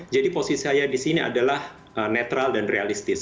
jadi posisi saya di sini adalah netral dan realistis